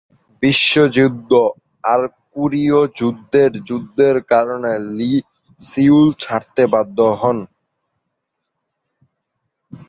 বিশ্বযুদ্ধ আর কোরীয় যুদ্ধের যুদ্ধের কারণে লি সিউল ছাড়তে বাধ্য হন।